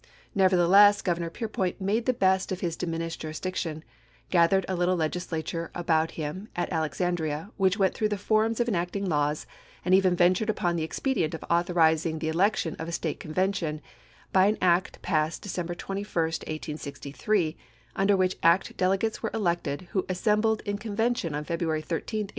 Nevertheless Governor Peirpoint made the best of his diminished juris diction ; gathered a little Legislature about him at Alexandria, which went through the forms of en acting laws, and even ventured upon the expedient of authorizing the election of a State Convention, by an act passed December 21, 1863, under which act delegates were elected who assembled in con vention on February 13, 1864.